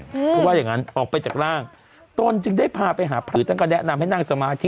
เพราะว่าอย่างงั้นออกไปจากร่างตนจึงได้พาไปหาผือท่านก็แนะนำให้นั่งสมาธิ